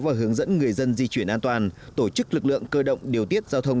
và hướng dẫn người dân di chuyển an toàn tổ chức lực lượng cơ động điều tiết giao thông